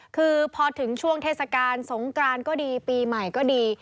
คือพอถึงช่วงเทศกาลสงกรานก็ดีปีใหม่ก็ดี